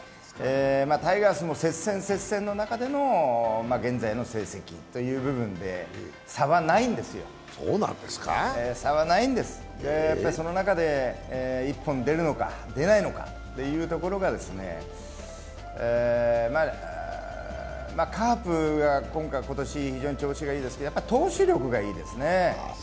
タイガースも接戦、接戦の中での現在の成績ということで差はないんですよ、差はないんですやっぱりその中で１本出るのか出ないのかというところがカープが今年、非常に調子がいいですが、やっぱり投手力がいいですね。